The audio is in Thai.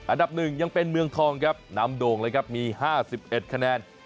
อันดับ๑ยังเป็นเมืองทองครับนำโด่งเลยครับมี๕๑คะแนน